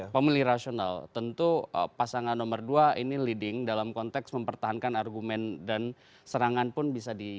pemilih rasional tentu pasangan nomor dua ini leading dalam konteks mempertahankan argumen dan serangan pun bisa di